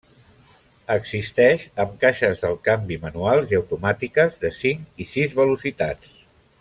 Existeix amb caixes del canvi manuals i automàtiques de cinc i sis velocitats.